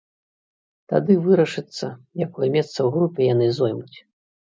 Тады вырашыцца, якое месца ў групе яны зоймуць.